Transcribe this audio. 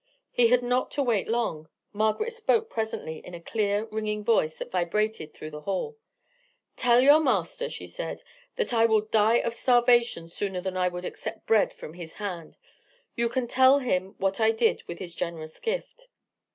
He had not to wait long. Margaret spoke presently, in a clear ringing voice, that vibrated through the hall. "Tell your master," she said, "that I will die of starvation sooner than I would accept bread from his hand. You can tell him what I did with his generous gift."